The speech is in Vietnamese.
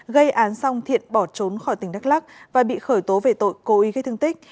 gây án xong thiện bỏ trốn khỏi tỉnh đắk lắc và bị khởi tố về tội cố ý gây thương tích